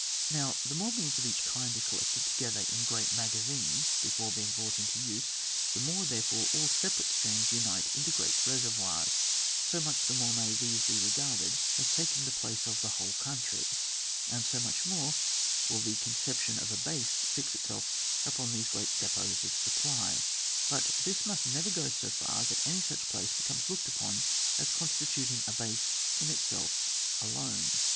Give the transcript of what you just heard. Now, the more means of each kind are collected together in great magazines be fore being brought into use, the more, therefore, all separate streams unite in great reservoirs, so much the more may tiiese be regarded as taking the place of the whole country, and so much the more will the conception of a base fix itself upon these great depots of supply ; but this must never go so far that any such place becomes looked upon as constitut ing a base in itself alone.